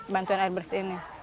bantuan air bersih ini